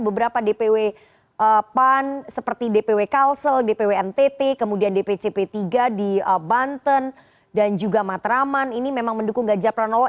beberapa dpw pan seperti dpw kalsel dpw ntt kemudian dpc p tiga di banten dan juga matraman ini memang mendukung ganjar pranowo